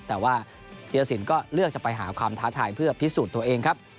แต่ว่าธีรสินก็เลือกจะไปหาความท้าทายเพื่อพิสูจน์ตัวเองครับ